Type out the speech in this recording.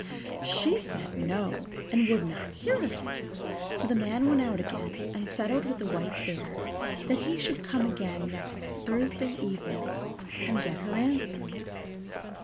She said no, and would not hear of it; so the man went out again, and settled with the White Bear that he should come again next Thursday evening, and get her answer.